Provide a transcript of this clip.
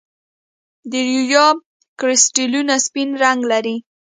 د یوریا کرسټلونه سپین رنګ لري.